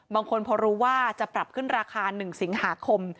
บางคนพอรู้ว่าจะปรับขึ้นราคา๑สิงหาคม